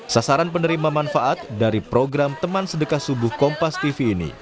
sasaran penerima manfaat dari program teman sedekah subuh kompas tv ini